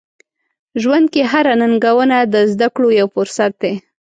ژوند کې هره ننګونه د زده کړو یو فرصت دی.